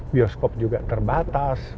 bioskop juga terbatas